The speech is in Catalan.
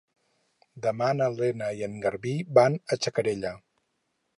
Demà na Lena i en Garbí van a Xacarella.